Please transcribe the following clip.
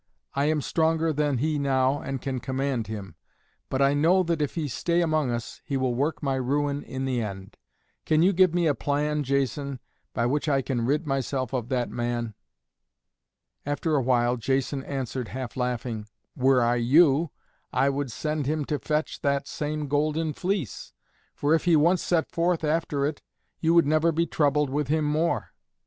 I am stronger than he now and can command him, but I know that if he stay among us, he will work my ruin in the end. Can you give me a plan, Jason, by which I can rid myself of that man?" After a while, Jason answered half laughing, "Were I you, I would send him to fetch that same Golden Fleece, for if he once set forth after it, you would never be troubled with him more."